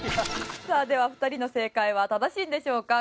さあでは２人の正解は正しいんでしょうか？